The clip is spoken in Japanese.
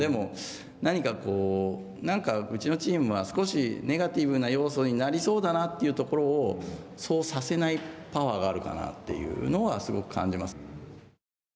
でも、何かこう、うちのチームは少しネガティブな要素になりそうだなというところをそうさせないパワーがあるかなというのはすごく感じますね。